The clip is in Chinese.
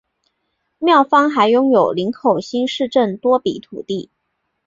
庙方还拥有林口新市镇多笔土地。